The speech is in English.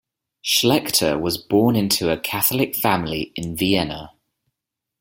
Schlechter was born into a Catholic family in Vienna.